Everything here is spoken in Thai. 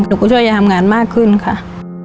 หนูก็ช่วยยายทำงานมากขึ้นค่ะ